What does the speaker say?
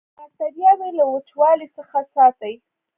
باکتریاوې له وچوالي څخه ساتي.